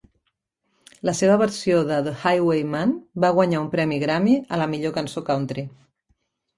La seva versió de "The Highwayman" va guanyar un premi Grammy a la Millor Cançó Country.